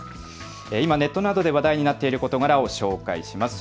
今、ネットなどで話題になっていることがらを紹介します。